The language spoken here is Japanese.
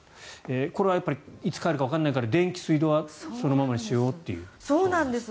これはいつ帰るかわからないから電気、水道はそのままにしようという感じですね。